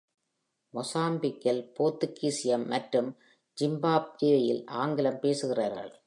மொசாம்பிக்கில் போர்த்துகீசியம் மற்றும் ஜிம்பாப்வேயில் ஆங்கிலம் பேசுகிறார்கள்.